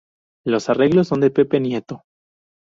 Los arreglos son de Pepe Nieto.